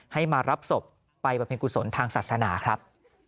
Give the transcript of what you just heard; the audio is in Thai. ให้มารับศพไปบำเพ็ญกุศลทางศาสนาครับ